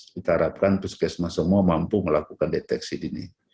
kita harapkan puskesmas semua mampu melakukan deteksi dini